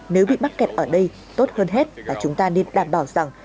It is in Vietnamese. nếu bị mắc kẹt ở đây tốt hơn hết là chúng ta nên đảm bảo rằng